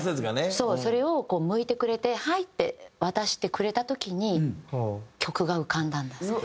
それをこうむいてくれて「はい」って渡してくれた時に曲が浮かんだんだそう。